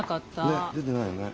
ねっ出てないよね。